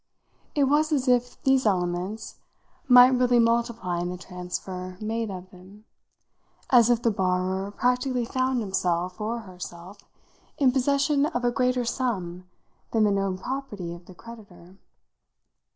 It was as if these elements might really multiply in the transfer made of them; as if the borrower practically found himself or herself in possession of a greater sum than the known property of the creditor.